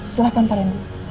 silahkan pak reni